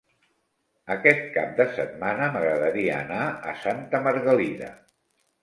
Aquest cap de setmana m'agradaria anar a Santa Margalida.